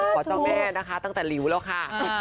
เจ้าแม่นะคะตั้งแต่หลิวแล้วค่ะ